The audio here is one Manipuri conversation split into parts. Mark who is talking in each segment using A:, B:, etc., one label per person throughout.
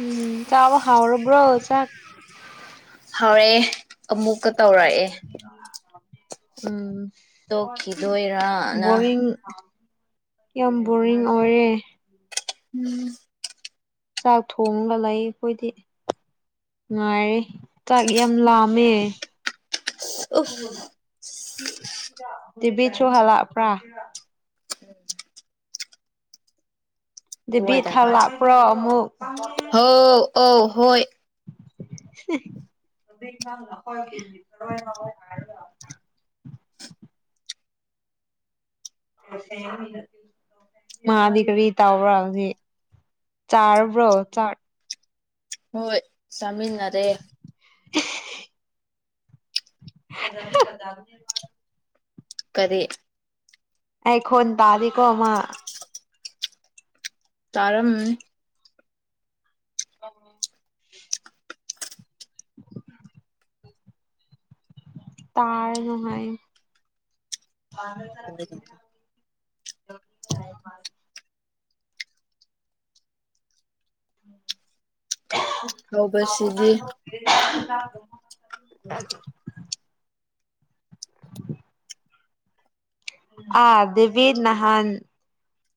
A: ꯎꯝ ꯆꯥꯕ ꯍꯥꯎꯔꯕꯨ꯭ꯔꯣ ꯆꯥꯛ꯫
B: ꯍꯥꯎꯔꯦ ꯫ ꯑꯃꯨꯛꯀ ꯇꯧꯔꯛꯑꯦ꯫
A: ꯎꯝ꯫
B: ꯇꯣꯛꯈꯤꯗꯣꯏꯔꯅ
A: ꯕꯣꯔꯤꯡ꯫ ꯌꯥꯝ ꯕꯣꯔꯤꯡ ꯑꯣꯏꯔꯦ꯫
B: ꯎꯝ꯫
A: ꯆꯥꯛ ꯊꯣꯡꯒ ꯂꯩ ꯑꯩꯈꯣꯏꯗꯤ ꯉꯥꯏꯔꯤ ꯆꯥꯛ ꯌꯥꯝ ꯂꯥꯝꯃꯦ꯫ ꯍ
B: ꯎꯐ
A: [unintelligible] ꯇꯤꯚꯤꯁꯨ ꯍꯂꯛꯄ꯭ꯔꯥ꯫
B: ꯎꯝ꯫
A: ꯗꯦꯕꯤ
B: ꯇꯨꯋꯥꯏꯗ
A: ꯊꯥ
B: ꯀꯥꯟ
A: ꯂꯥꯛꯄ꯭ꯔꯣ ꯑꯃꯨꯛ꯫
B: ꯑꯣ ꯍꯣꯏ꯫
A: [inaudible] ꯃꯥꯗꯤ ꯀꯔꯤ ꯇꯥꯕ꯭ꯔꯥ ꯍꯧꯖꯤꯛ ꯆꯥꯔꯕ꯭ꯔꯣ ꯆꯥꯛ
B: ꯍꯣꯏ꯫ ꯆꯃꯤꯟꯅꯔꯦ꯫
A: [inaudible] [unintelligible]
B: ꯀꯔꯤ꯫
A: ꯑꯩꯈꯣꯟ ꯇꯥꯔꯤꯀꯣ ꯃꯥ꯫
B: ꯇꯥꯔꯝꯃꯅꯤ꯫
A: ꯑꯣ꯫ ꯇꯥꯏꯔ ꯅꯍꯥꯏ꯫ ꯑ꯫ [unintelligible] ꯃꯥ꯫ [inaudible] ꯎꯝ꯫
B: ꯍꯧꯕꯁꯤꯗꯤ
A: [unintelligible]
B: [unintelligible]
A: ꯑ ꯗꯦꯕꯦꯗ ꯅꯍꯥꯟ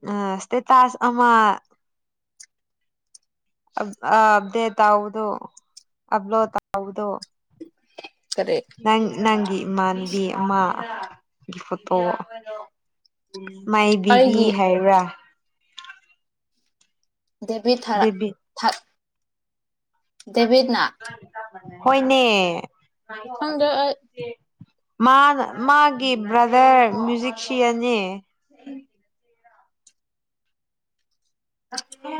A: ꯑ ꯁꯇꯦꯇꯥꯁ ꯑꯃ ꯑ ꯑꯕꯗꯦꯠ ꯇꯧꯗꯨ ꯑꯕꯂꯣꯠ ꯇꯧꯕꯗꯨ
B: ꯀꯔꯤ
A: ꯅꯪꯒꯤ ꯅꯪꯪ ꯃꯥꯟꯕꯤ ꯑꯃ ꯐꯣꯇꯣ ꯃꯥꯏ ꯕꯦꯕꯤ
B: ꯑꯩꯒꯤ
A: ꯍꯥꯏꯕ꯭ꯔꯥ
B: ꯗꯦꯕꯤ ꯊꯥꯔ
A: ꯗꯦꯕꯤ
B: ꯊꯥ ꯗꯦꯕꯤꯠꯅꯥ
A: ꯍꯣꯏꯅꯦ
B: ꯈꯪꯗꯦ ꯑꯩ
A: [unintelligible] ꯃꯥꯅ ꯃꯥꯒꯤ ꯕ꯭ꯔꯗꯔ ꯃ꯭ꯌꯨꯖꯤꯛꯁꯤꯌꯥꯟꯅꯦ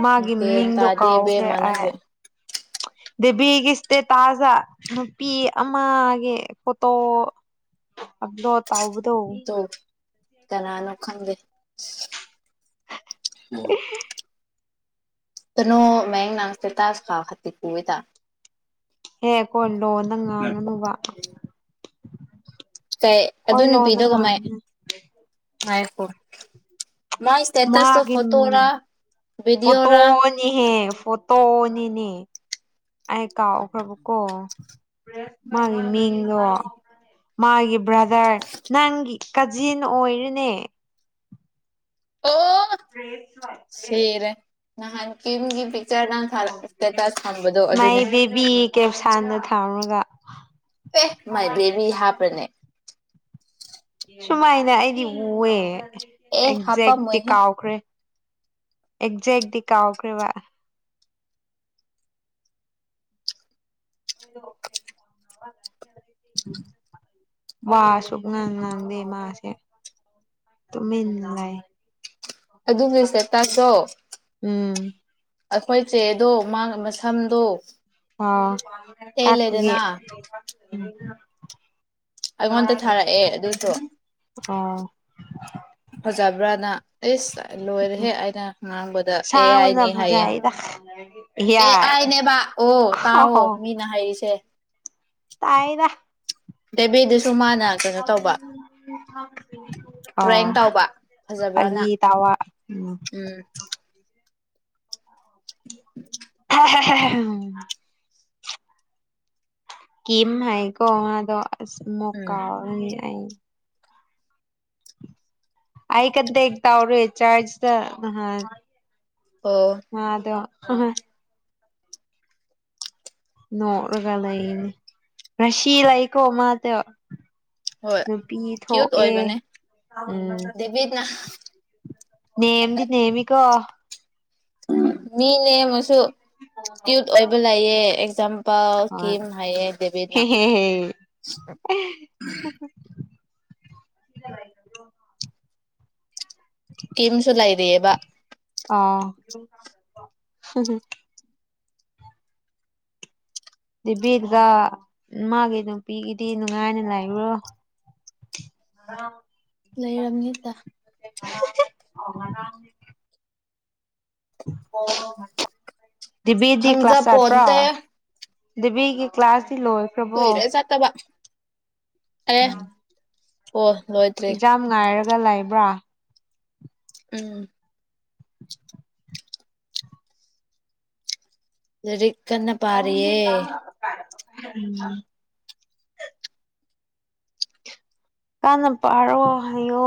A: ꯃꯥꯒꯤ
B: ꯒ꯭ꯌꯥꯟ
A: ꯃꯤꯡꯗꯣ
B: ꯇꯥꯗꯦ
A: ꯀꯥꯎꯈ꯭ꯔꯦ
B: ꯏꯕꯦꯝꯃ ꯅꯪꯒꯤ
A: ꯗꯦꯕꯤꯒꯤ ꯏꯁꯇꯦꯇꯥꯁꯇ ꯅꯨꯄꯤ ꯑꯃꯒꯤ ꯐꯣꯇꯣ ꯑꯞꯂꯣꯗ ꯇꯧ
B: ꯇꯨ
A: [unintelligible]
B: ꯀꯅꯥꯅꯣ ꯈꯪꯗꯦ [unintelligible] [unintelligible]
A: [unintelligible] ꯂꯣꯟꯗ ꯉꯥꯡꯒꯅꯨꯕ
B: ꯀꯩ ꯑꯗꯨ
A: ꯑꯩꯈꯣꯏ ꯂꯣꯟꯗ
B: ꯅꯨꯄꯤꯗꯣ ꯀꯃꯥꯏ
A: ꯉꯥꯡꯒꯅꯨ
B: ꯍꯥꯏ [unintelligible]
A: ꯃꯥꯒꯤ
B: ꯚꯤꯗꯤꯑꯣꯔꯥ
A: ꯐꯣꯇꯣꯅꯤꯍꯦ ꯐꯣꯇꯣ ꯅꯤꯅꯦ ꯑꯩ ꯀꯥꯎ ꯈ꯭ꯔꯕꯀꯣ ꯃꯥꯒꯤ ꯃꯤꯡ ꯃꯥꯒꯤ ꯕ꯭ꯔꯗꯔ ꯅꯪꯒꯤ ꯀꯥꯖꯤꯟ ꯑꯣꯏꯔꯦꯅꯦ
B: ꯑꯣ
A: [unintelligible]
B: ꯅꯥꯍꯟ ꯀꯥꯝꯒꯤ
A: ꯃꯥꯏ
B: ꯑꯗꯨꯅꯦ
A: ꯕꯦꯕꯤ ꯀꯦꯞꯁꯥꯟꯗ ꯇꯥꯧꯔꯒ
B: ꯑꯦ ꯃꯥꯏ ꯕꯦꯕꯤ ꯍꯥꯞꯄ꯭ꯔꯅꯦ
A: ꯁꯨꯃꯥꯏꯅ ꯑꯩꯗꯤ ꯎꯑꯦ
B: ꯑꯦ
A: ꯑꯦꯛꯖꯦꯛꯇꯤ
B: ꯍꯥꯞꯄꯝꯃꯣꯏꯍꯦ
A: ꯀꯥꯎꯈ꯭ꯔꯦ ꯑꯦꯛꯖꯦꯛ꯫ ꯀꯥꯎꯈ꯭ꯔꯦꯕ꯫ ꯋꯥꯁꯨ ꯉꯥꯡ ꯉꯥꯡꯗꯦ ꯃꯥꯁꯦ ꯇꯨꯃꯤꯟꯅ ꯂꯩ꯫
B: ꯑꯗꯨꯒꯤꯁꯦ ꯇꯥꯥꯁꯣ꯫
A: ꯎꯝ
B: ꯑꯩꯈꯣꯏ ꯆꯦꯗꯣ ꯃꯁꯝꯗꯣ꯫
A: ꯑꯣ ꯀꯦ꯫
B: ꯇꯦꯜꯂꯦꯗꯅ
A: ꯎ꯫
B: ꯑꯩꯉꯣꯟꯗ ꯊꯥꯔꯛꯑꯦ ꯑꯗꯨꯁꯨ
A: ꯑꯣ
B: ꯐꯖꯕ꯭ꯔꯥꯅ꯫ ꯑꯦꯁ ꯂꯣꯏꯔꯦꯍꯦ ꯑꯩꯅ ꯉ ꯉꯥꯡꯕꯗ ꯑꯦ
A: ꯁꯥꯡꯕꯅ
B: ꯑꯥꯏꯅꯦ ꯍꯥꯏꯌꯦ
A: ꯐꯖꯩꯗ
B: ꯑꯦ
A: ꯌꯥꯏ
B: ꯑꯥꯏꯅꯦꯕꯕꯥ ꯑꯣ ꯇꯥꯎꯑꯣ ꯃꯤꯅ ꯍꯔꯤꯁꯦ꯫
A: ꯇꯥꯏꯅ꯫
B: ꯕꯦꯕꯤꯗꯨꯁꯨ ꯃꯥꯅ ꯀꯩꯅꯣ ꯇꯧꯕ
A: ꯑ
B: ꯔꯦꯡ ꯇꯧꯕ ꯐꯖꯕ꯭ꯔꯅ
A: ꯑꯩꯗꯒꯤ ꯇ‌ꯋꯥ꯫
B: ꯎꯝ
A: [unintelligible] ꯀꯝ ꯍꯥꯏꯀꯣ ꯃꯗꯣ꯫ ꯑ
B: ꯎꯝ
A: ꯃꯣꯀꯥꯎꯔꯥꯅꯤ꯫ ꯑ [unintelligible] ꯑ ꯀꯗ ꯌꯦ ꯇꯎ꯭ꯔꯔꯤ ꯆꯥꯖꯗ꯫
B: ꯑꯣ
A: ꯃꯥꯗꯣ ꯫ ꯍꯣ ꯍꯣꯏ꯫ ꯅꯣꯛꯔꯒ ꯂꯩꯅꯤ ꯔꯁꯤ ꯂꯩꯀꯣ ꯃꯥ ꯇ꯫
B: ꯍꯣꯏ ꯀ꯭ꯌꯨꯠ ꯑꯣꯏꯕꯅꯦ
A: ꯎꯝ
B: ꯗꯦꯕꯤꯠꯅ꯫
A: ꯅꯦꯝꯗꯤ ꯅꯦꯃꯤ ꯀꯣ ꯫
B: ꯃꯤ ꯅꯦꯝꯃꯁꯨ ꯫ ꯀꯤꯌꯨꯠ ꯑꯣꯏꯕ ꯂꯩꯌꯦ꯫ ꯆꯝ꯫ ꯄꯥꯎ
A: ꯍꯣꯏ
B: ꯀꯤꯝ ꯍꯥꯏꯌꯦ ꯗꯦꯕꯤꯅ꯫
A: ꯍꯦꯍꯦꯍꯦ [inaudible]
B: ꯀꯤꯝꯁꯨ ꯂꯩꯔꯤꯑꯦꯕ꯫
A: ꯍꯨꯝ ꯍꯨꯝ ꯫ ꯏꯦꯕꯤꯗꯨꯒ ꯃꯥꯒꯤ ꯅꯨꯄꯤꯒꯤꯗꯤ ꯅꯨꯡꯉꯥꯏꯅ ꯂꯩꯥꯎ꯭ꯔꯣ꯫
B: ꯂꯩꯔꯝꯅꯤꯗ꯫
A: [unintelligible] ꯑꯣ꯫ ꯗꯤꯕꯤꯗꯤ ꯀ꯭ꯂꯥꯁ ꯆꯠꯄꯔꯥ꯫
B: ꯈꯪꯖꯄꯣꯟꯇꯦ
A: ꯗꯤꯕꯤꯒꯤ ꯀ꯭ꯂꯥꯁ꯫
B: ꯀꯨꯢꯔꯦ ꯆꯠꯇꯕ ꯑꯦ
A: [unintelligible]
B: ꯑꯣ ꯂꯣꯏꯇ꯭ꯔꯤ
A: ꯒ ꯂꯩꯕ꯭ꯔꯥ
B: ꯎꯝ ꯂꯩꯔꯤꯛ ꯀꯟꯅ ꯄꯥꯔꯤꯌꯦ
A: ꯎꯝ ꯀꯟꯅ ꯄꯥꯔꯣ ꯍꯩꯌꯣ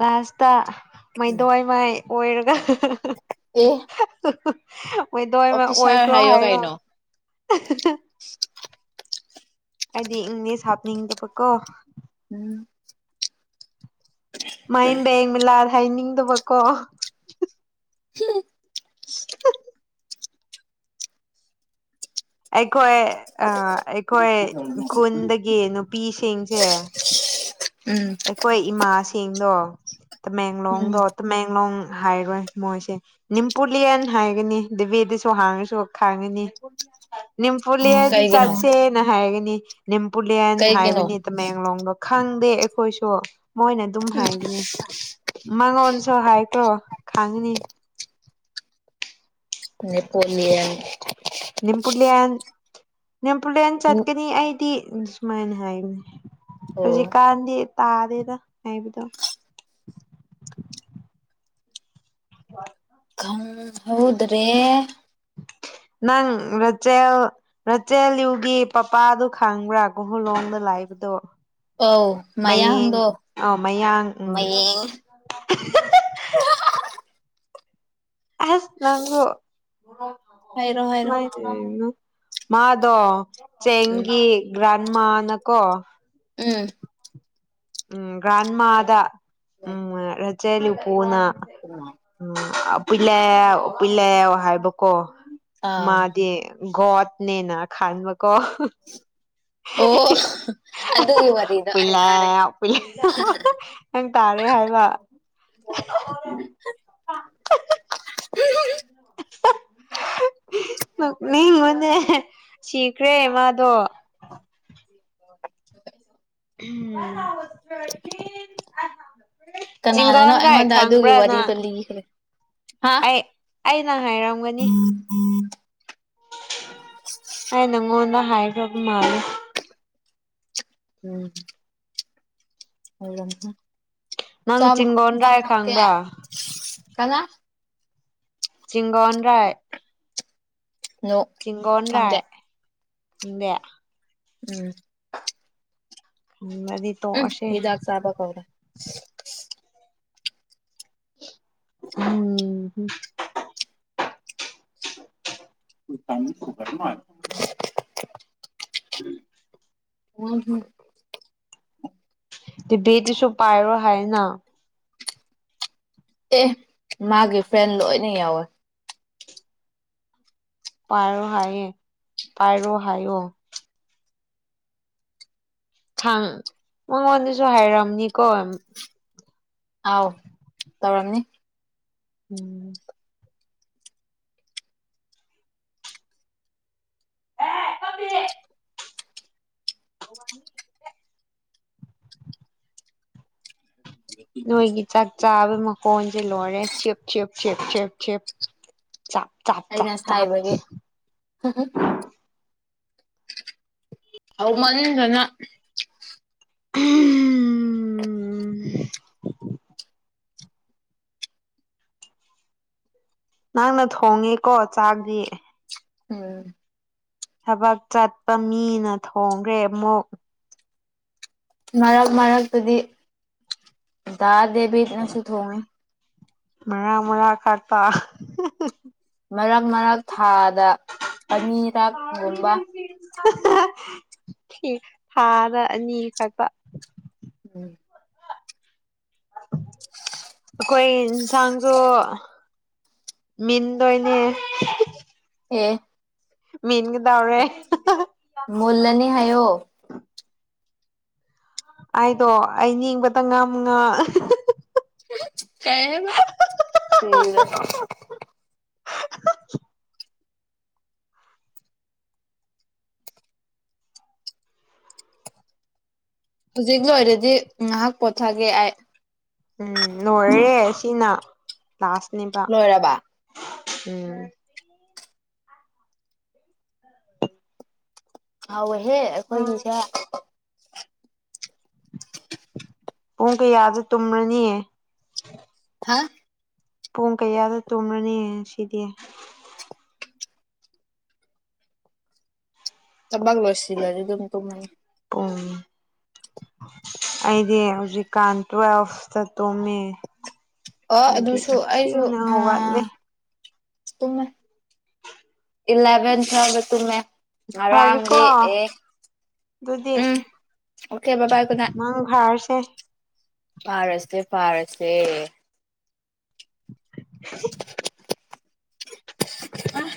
A: ꯂꯥꯁꯇ ꯃꯩꯗꯣꯢ ꯃꯥꯢ ꯑꯣꯏꯔꯒ
B: ꯑꯦ
A: [unintelligible] ꯑꯣꯏꯗꯣꯏꯃ
B: ꯑꯣꯐꯤꯁꯥꯔ
A: ꯑꯣꯏꯈ꯭ꯔꯣ ꯍꯥꯏꯌꯣ
B: ꯀꯩꯅꯣ
A: ꯑꯩꯗꯤ ꯏꯪꯂꯤꯁ ꯍꯥꯞꯅꯤꯡꯗꯕꯀꯣ
B: ꯎꯝ
A: ꯃꯥꯏꯝꯕꯦꯡꯃꯤꯂꯥꯔ ꯍꯩꯅꯤꯡꯗꯕꯀꯣ
B: ꯍꯝ
A: ꯑꯩꯈꯣꯌꯦ ꯑꯥ ꯑꯩꯈꯣꯏ ꯈꯨꯟꯗꯒꯤ ꯅꯨꯄꯤꯁꯤꯡꯁꯦ
B: ꯎꯝ
A: ꯑꯩꯈꯣꯏ ꯏꯃꯥꯁꯤꯡꯗꯣ
B: ꯎꯝ
A: ꯇꯃꯦꯡꯂꯣꯡꯗꯣ ꯇꯃꯦꯡꯂꯣꯡ ꯍꯥꯏꯔꯣꯏ ꯃꯣꯏꯁꯦ ꯅꯤꯝꯄꯨꯂꯤꯌꯟ ꯍꯥꯏꯒꯅꯤ ꯗꯦꯕꯦꯗꯁꯨ ꯍꯥꯡꯉꯁꯨ ꯈꯪꯉꯅꯤ ꯅꯤꯝꯄꯨꯂꯤꯌꯟ
B: ꯀꯩꯒꯤꯅꯣ
A: ꯆꯠꯁꯦꯅ ꯍꯥꯏꯒꯅꯤ ꯅꯤꯝꯄꯨꯂꯤꯌꯟ
B: ꯀꯩꯒꯤꯅꯣ
A: ꯍꯥꯏꯕꯅꯤ ꯇꯃꯦꯡꯂꯣꯡꯗꯣ ꯈꯪꯪ ꯈꯪꯗꯦ ꯑꯩ ꯈꯣꯢꯁꯨ ꯃꯣꯏꯅ ꯑꯗꯨꯝ ꯍꯥꯏꯕꯅꯦ ꯃꯉꯣꯟꯁꯨ ꯍꯥꯏꯈ꯭ꯔꯣ ꯈꯪꯉꯅꯤ
B: ꯅꯦꯄꯣꯂꯤꯌꯟ
A: ꯅꯤꯝꯄꯨꯂꯤꯌꯥꯟ ꯅꯤꯝꯄꯨꯂꯤꯌꯥꯟ ꯆꯠꯀꯅꯤ ꯑꯩꯗꯤ ꯑꯩꯗꯤ ꯁꯨꯃꯥꯢꯅ ꯍꯥꯏꯕꯅꯦ
B: ꯑꯣ
A: ꯍꯨꯖꯤꯛ ꯀꯥꯟꯗꯤ ꯇꯥꯗꯦꯗ ꯍꯥꯢꯕꯗꯣ [inaudible]
B: ꯈꯪꯍꯧꯗꯔꯦ
A: ꯅꯪ ꯔꯥꯆꯦꯜ ꯔꯥꯆꯦꯜꯌꯨꯒꯤ ꯄꯄꯥꯗꯨ ꯈꯪꯕ꯭ꯔꯥ ꯀꯨꯍꯨꯂꯣꯡꯗ ꯂꯩꯕꯗꯣ
B: ꯑꯧ ꯃꯌꯥꯡꯗꯣ
A: ꯑ ꯃꯌꯥꯡ ꯎꯝ
B: ꯃꯌꯦꯡ
A: ꯑꯁ ꯅꯪꯁꯨ
B: ꯍꯥꯏꯔꯣ ꯍꯥꯏꯔꯣ
A: ꯃꯥꯢꯗꯨ ꯌꯦꯡꯉꯨ ꯃꯥꯗꯣ
B: ꯎꯝ
A: ꯆꯦꯡꯒꯤ ꯒ꯭ꯔꯥꯠ ꯃꯥꯅꯀꯣ
B: ꯎꯝ
A: ꯎꯝ ꯒ꯭ꯔꯥꯟꯃꯥꯗ ꯎꯝ ꯔꯖꯤꯠ ꯇꯦꯂꯤꯄꯨꯅ ꯎꯝ ꯑꯄꯨꯢꯂ꯭ꯌꯥꯎ ꯄꯨꯢꯂ꯭ꯌꯥꯎ ꯍꯥꯏꯕꯀꯣ
B: ꯑꯥ
A: ꯃꯥꯗꯤ ꯒꯣꯠꯅꯦꯅ ꯈꯟꯕ ꯀꯣ
B: ꯑꯣ ꯑꯗꯨꯒꯤ ꯋꯥꯔꯤꯗꯣ ꯍꯥꯏꯇꯥꯔꯦ
A: ꯄꯨꯢꯂ꯭ꯌꯥꯎ ꯄꯨꯢꯂ꯭ꯦ ꯅꯪ ꯇꯥꯔꯦ ꯍꯥꯏꯕ ꯅꯣꯛꯅꯤꯡꯕꯅꯦ ꯁꯤꯈ꯭ꯔꯦ ꯃꯥꯗꯣ ꯎꯝ ꯊꯔꯇꯤꯟ ꯑꯍꯥ
B: ꯀꯅꯥꯅꯥꯅꯣ ꯑꯩꯉꯣꯟꯗ ꯑꯗꯨꯒꯤ
A: ꯅꯪ
B: ꯋꯥꯔꯤꯗꯣ ꯂꯤꯈ꯭ꯔꯦ ꯍꯥ
A: ꯑꯩ ꯑꯩꯅ ꯍꯥꯏꯔꯝꯒꯅꯤ ꯑꯩ ꯅꯪꯉꯣꯟꯗ ꯍꯥꯏꯔꯕ ꯃꯥꯜꯂꯦ
B: ꯎꯝ ꯑꯣꯏꯔꯝ ꯅꯤ
A: ꯅꯪ ꯆꯤꯡꯒꯣꯟꯔꯥꯏ ꯈꯪꯕ꯭ꯔꯥ
B: ꯀꯅꯥ
A: ꯆꯤꯡꯒꯣꯟ ꯔꯥꯏ
B: ꯅꯣ
A: ꯆꯤꯒꯣꯟ ꯔꯥꯏ
B: ꯈꯪꯗꯦ
A: ꯈꯪꯗꯦ
B: ꯎꯝ
A: ꯈꯪꯗ꯭ꯔꯗꯤ
B: ꯎꯝ
A: ꯇꯣꯛꯑꯁꯦ
B: ꯍꯤꯗꯥꯛ ꯆꯥꯕ ꯀꯥꯎꯔꯦ [inaudible]
A: ꯎꯝꯍꯝ [inaudible]
B: [unintelligible]
A: [inaudible]
B: ꯎꯝ ꯍꯝ
A: ꯗꯨꯁꯨ ꯄꯥꯏꯔꯣ ꯍꯥꯏꯅ
B: ꯑꯦ ꯃꯥꯒꯤ ꯐ꯭ꯔꯦꯟ ꯂꯣꯏꯅ ꯌꯥꯎꯋꯦ
A: ꯄꯣ ꯍꯥꯏ ꯄꯔꯣ ꯍꯥꯏꯣ ꯈꯪ ꯃꯉꯣꯟꯗꯁꯨ ꯍꯥꯏꯔꯑꯝꯅꯤꯀꯣ
B: ꯑꯥꯎ ꯇꯧꯔꯝꯅꯤ
A: ꯎꯝ ꯑꯦ ꯀꯃꯦ ꯑ ꯋꯥ [inaudible] ꯅꯣꯏꯒꯤ ꯆꯥꯛꯇ ꯆꯥꯕ ꯃꯈꯣꯟꯁꯦ ꯂꯣꯏꯔꯦ ꯆ ꯆ ꯆ
B: ꯑꯩꯅ
A: ꯆ
B: ꯁꯥꯏꯕꯒꯤ ꯍꯥꯎꯃꯅꯤꯗꯅ
A: ꯫ [unintelligible] ꯅꯪꯅ ꯊꯣꯡꯉꯦꯀꯣ ꯆꯥꯛꯗꯤ
B: ꯎꯝ
A: ꯊꯕꯛ ꯆꯠꯄ ꯃꯤꯅ ꯊꯣꯡꯈ꯭ꯔꯦ ꯑꯃꯨꯛ
B: ꯃꯔꯛ ꯃꯔꯛꯇꯨꯗꯤ ꯇꯥꯗꯦꯕꯤ ꯏꯅꯁꯨꯨ ꯊꯣꯡꯉꯦ
A: ꯃꯔꯥ ꯃꯔꯥ ꯀꯥꯄꯥ
B: ꯃꯔꯛ ꯃꯔꯛ ꯊꯥꯗ ꯑꯅꯤꯔꯛꯒꯨꯝꯕ
A: ꯊꯥꯗ ꯑꯅꯤ ꯈꯛꯛꯇ
B: ꯎꯝ
A: ꯑꯩꯈꯣꯏ ꯌꯦꯟꯁꯥꯡꯁꯨ ꯃꯤꯟꯗꯣꯏꯅꯤ
B: ꯑꯦ
A: ꯃꯦꯟ ꯀ
B: ꯃꯂꯅꯤ ꯍꯥꯏꯣ
A: ꯑꯩꯗꯣ ꯑꯩ ꯅꯤꯡꯕꯗ ꯉꯝꯅ
B: ꯀꯕ ꯊꯗ ꯍꯧꯖꯤꯛ ꯂꯣꯏꯔꯗꯤ ꯉꯥꯏꯍꯥꯛ ꯄꯣꯊꯒꯦ ꯑꯩ
A: ꯎꯝ ꯂ꯭ꯂꯥꯁꯅꯦꯕ
B: ꯂꯣꯏꯔꯕ
A: ꯎꯝ
B: ꯍꯣꯏ ꯍꯦ ꯑꯩꯈꯣꯏꯒꯤꯁꯦ
A: ꯄꯨꯡ ꯀ ꯌꯥꯗ ꯇꯨꯅꯅꯤꯌꯦ
B: ꯍꯥꯥ
A: ꯄꯨꯡ ꯀꯌꯥꯗ ꯇꯨꯝꯂꯅꯤ ꯁꯤꯗꯤ
B: ꯇꯕꯥꯒ ꯂꯣꯁꯂ ꯑꯗꯨ ꯑꯗꯨꯝ ꯇꯝꯃꯥꯅꯤ
A: ꯎ ꯑꯩꯗꯤ ꯍꯧꯖꯤꯛꯀꯥꯟ ꯇꯨꯋꯦꯜꯐꯇ ꯇꯨꯝꯃꯦ
B: ꯑꯣ
A: ꯑꯗꯨꯒꯤ
B: ꯑꯗꯨꯁꯨ ꯑꯩꯁꯨ
A: ꯊꯦꯡꯅ
B: ꯑ
A: ꯍꯧꯒꯠꯂꯦ
B: ꯎꯃ ꯏꯂꯚꯦꯟꯊ ꯍꯥꯏꯕ ꯇꯨꯝꯃꯦ꯫
A: ꯐꯔꯤꯀꯣ
B: ꯉꯔꯥꯡꯗꯤ ꯑꯦ
A: ꯑꯗꯨꯗꯤ
B: ꯎꯝ okay bye bye good night
A: ꯅꯪ ꯐꯔꯁꯦ
B: ꯐꯥꯔꯁꯦ ꯐꯥꯔꯁꯦ [unintelligible] [inaudible]